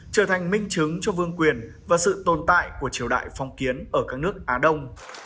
chứng cho vương quyền và sự tồn tại của triều đại phong kiến ở các nước á đông